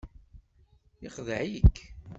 Ixdeε-ik.